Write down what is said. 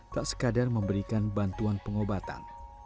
tak sekadar memberikan bantuan pengobatan